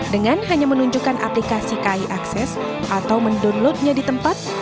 dengan hanya menunjukkan aplikasi kai akses atau mendownloadnya di tempat